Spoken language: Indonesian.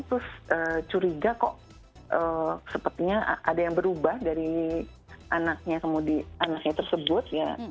tercuriga kok sepertinya ada yang berubah dari anaknya tersebut